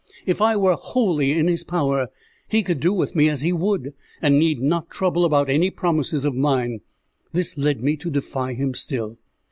If I were wholly in his power, he could do with me as he would, and need not trouble about any promises of mine. This led me to defy him still.